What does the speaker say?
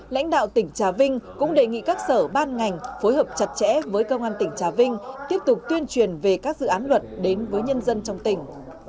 lãnh đạo tỉnh trà vinh cũng đề nghị các sở ban ngành phối hợp chặt chẽ với công an tỉnh trà vinh tiếp tục tuyên truyền về các dự án luật đến với nhân dân trong tỉnh